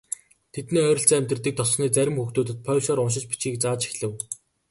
Тэдний ойролцоо амьдардаг тосгоны зарим хүүхдүүдэд польшоор уншиж бичихийг зааж эхлэв.